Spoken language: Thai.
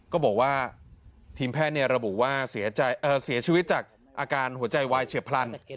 ก็บอกว่าทีมแพทย์ระบุว่าเสียชีวิตจากอาการหัวใจวายเฉียบพลัน